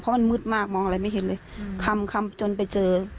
มันมืดมากมองอะไรไม่เห็นเลยคำคำจนไปเจอ